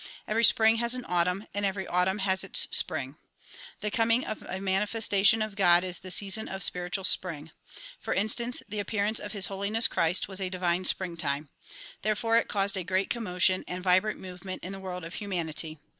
Every spring has an autumn and every autumn has its spring. The coming of a manifestation of God is the season of spiritual spring. For instance, the appearance of His Holiness Christ was a divine springtime. Therefore it caused a great commotion and vibrant movement in the world of humanity.